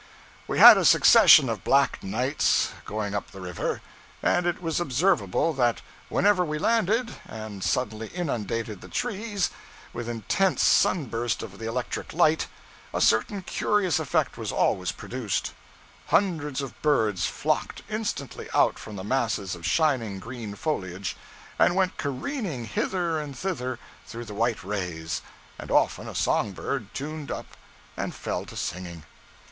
We had a succession of black nights, going up the river, and it was observable that whenever we landed, and suddenly inundated the trees with the intense sunburst of the electric light, a certain curious effect was always produced: hundreds of birds flocked instantly out from the masses of shining green foliage, and went careering hither and thither through the white rays, and often a song bird tuned up and fell to singing.